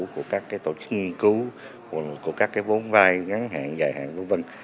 của các tổ chức nghiên cứu của các vốn vai ngắn hạn dài hạn v v